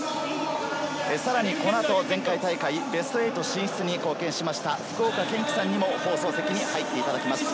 さらにこのあと前回大会ベスト８進出に貢献しました福岡堅樹さんにも放送席に入っていただきます。